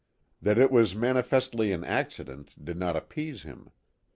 That it was manifestly an accident did not appease him.